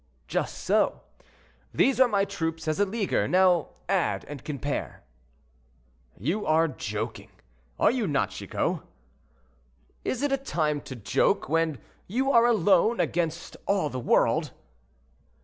"Just so. These are my troops as a leaguer; now add, and compare." "You are joking, are you not, Chicot?" "Is it a time to joke, when you are alone, against all the world?"